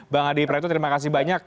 bang adi praetno terima kasih banyak